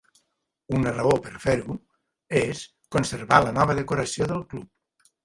Una raó per fer-ho és preservar la nova decoració del club.